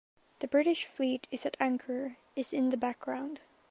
The British fleet is at anchor is in the background.